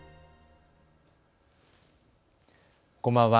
こんばんは。